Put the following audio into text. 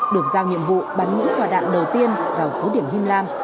được giao nhiệm vụ bắn mũi hòa đạn đầu tiên vào khối điểm him lam